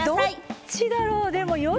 どっちだろう？